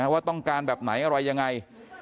ว่าต้องการแบบไหนอะไรยังไง